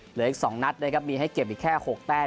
เหลืออีกสองนัดเลยครับมีให้เก็บอีกแค่หกแต้น